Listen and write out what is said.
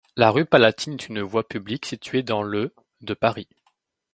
La rue Palatine est une voie publique située dans le de Paris.